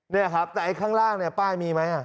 เนี่ยครับแต่ไอข้างล่างป้ายมีไหม